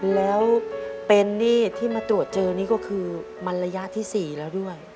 แล้วเป็นหนี้ที่มาตรวจเจอนี่ก็คือมันระยะที่๔แล้วด้วย